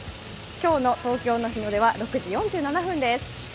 今日の東京の日の出は６時４７分です